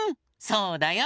そうだよ。